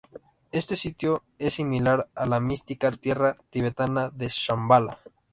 Este sitio es similar a la mística tierra tibetana de Shambhala.